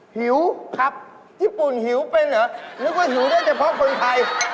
หิวครับญี่ปุ่นหิวเป็นเหรอนึกว่าหิวได้เฉพาะคนไทย